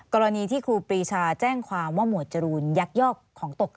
กรณีที่ครูปรีชาแจ้งความว่าหมวดจรูนยักยอกของตก